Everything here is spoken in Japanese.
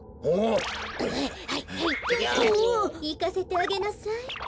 いかせてあげなさい。